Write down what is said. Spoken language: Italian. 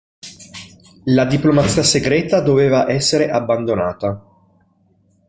La diplomazia "segreta" doveva essere abbandonata.